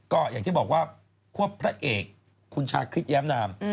ก็อย่างที่บอกว่าควบพระเอกคุณชาคริสแย้มนาม